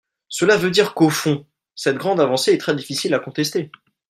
Cela veut dire qu’au fond, cette grande avancée est très difficile à contester.